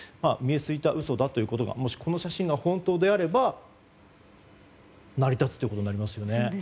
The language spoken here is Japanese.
見え透いた嘘だということがこの写真が本当であれば成り立つということになりますよね。